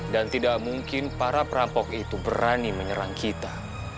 dan tidak mungkin para prapok itu berani menyerang kita